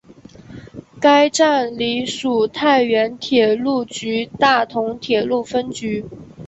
该站隶属太原铁路局大同铁路分局。